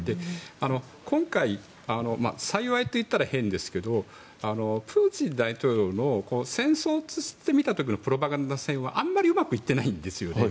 今回、幸いと言ったら変ですけどプーチン大統領の戦争として見た時のプロパガンダ戦はあまりうまくいっていないんですよね。